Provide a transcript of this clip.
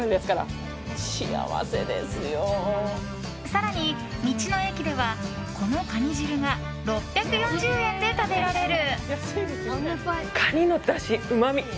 更に道の駅では、このカニ汁が６４０円で食べられる。